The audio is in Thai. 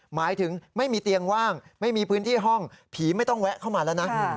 หมายถึงไม่มีเตียงว่างไม่มีพื้นที่ห้องผีไม่ต้องแวะเข้ามาแล้วนะ